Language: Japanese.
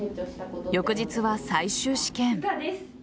翌日は最終試験。